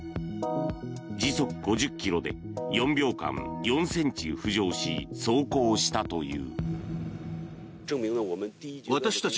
時速５０ｋｍで４秒間４ｃｍ浮上し走行したという。